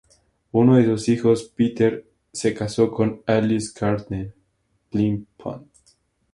Uno de sus hijos, Peter, se casó con Alice Gardner Plimpton.